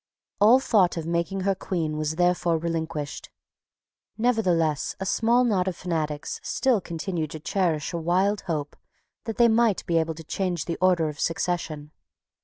All thought of making her Queen was therefore relinquished. Nevertheless, a small knot of fanatics still continued to cherish a wild hope that they might be able to change the order of succession.